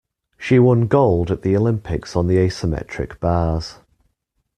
She won gold at the Olympics on the asymmetric bars